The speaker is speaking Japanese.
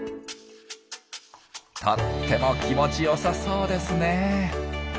とっても気持ちよさそうですねえ。